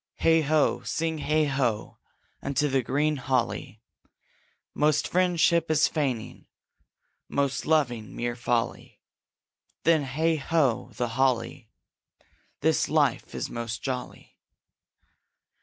Heigh ho! sing heigh ho! unto the green holly; Most friendship is feigning, most loving mere folly; Then, heigh ho! the holly! This life is most jolly!